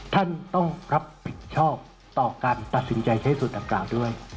ท่านต้องรับผิดชอบต่อการตัดสินใจใช้สูตรดังกล่าวด้วย